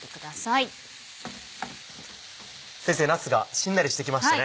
先生なすがしんなりしてきましたね。